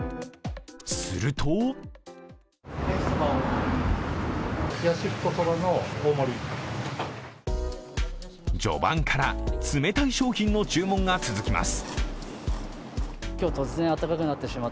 すると序盤から冷たい商品の注文が続きます。